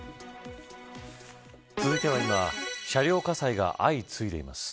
続いては今車両火災が相次いでいます。